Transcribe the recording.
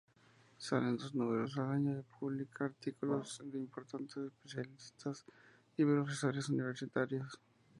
Salen dos números al año y publica artículos de importantes especialistas y profesores universitarios.